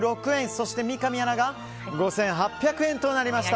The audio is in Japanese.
そして、三上アナが５８００円となりました。